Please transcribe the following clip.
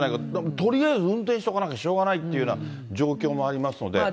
とりあえず運転しとかなきゃしょうがないっていう状況もあります